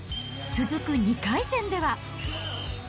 続く２回戦では。